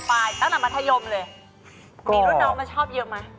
มีรุ่นน้องมันชอบเยอะไหม